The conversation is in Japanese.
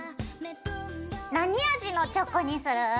何味のチョコにする？